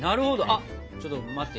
あっちょっと待って。